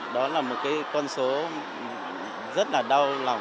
đó là một con số rất đau lòng